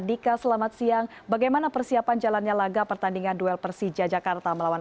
dika selamat siang bagaimana persiapan jalannya laga pertandingan